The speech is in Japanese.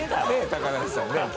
高梨さんねえ？